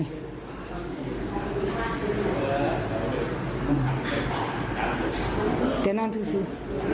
เดี๋ยวนั่นซื้อซื้อ